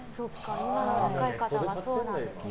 今の若い方はそうなんですね。